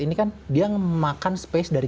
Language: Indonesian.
ini kan dia makan space dari